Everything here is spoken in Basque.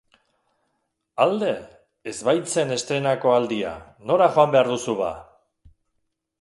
Alde? Ez baitzen estreinako aldia, nora joan behar duzu ba?